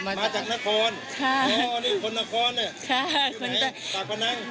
มาจากนครค่ะอ๋อนี่คนนครน่ะค่ะอยู่ไหนสากวะนั่ง